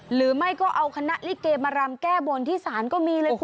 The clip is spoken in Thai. หรือไม่ก็เอาคณะลิเกมารำแก้บนที่ศาลก็มีเลยค่ะ